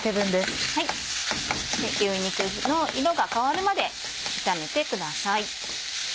牛肉の色が変わるまで炒めてください。